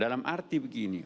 dalam arti begini